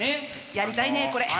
やりたいねこれ。